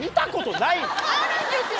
あるんですよ！